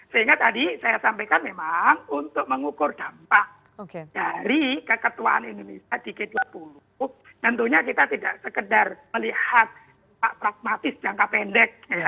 sehingga tadi saya sampaikan memang untuk mengukur dampak dari keketuaan indonesia di g dua puluh tentunya kita tidak sekedar melihat pragmatis jangka pendek